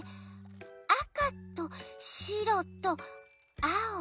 あかとしろとあお。